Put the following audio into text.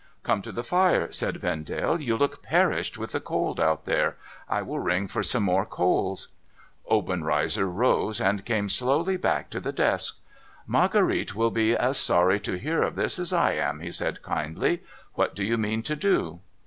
' Come to the fire,' said Vendale. ' You look perished with the cold out there. I will ring for some more coals.' Obenreizer rose, and came slowly back to the desk. * Marguerite will be as sorry to hear of this as I am,' he said, kindly. ' What do you mean to do